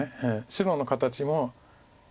白の形も。